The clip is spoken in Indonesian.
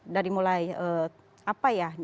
dari mulai apa ya